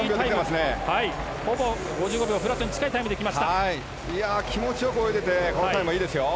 ほぼ５５秒フラットに近いタイムが出ました。